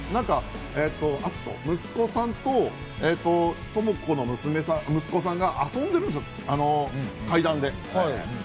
それと冒頭で息子さんと朋子の息子さんが遊んでるんですよ、階段で。